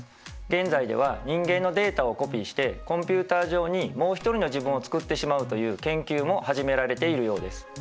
現在では人間のデータをコピーしてコンピューター上にもう一人の自分を作ってしまうという研究も始められているようです。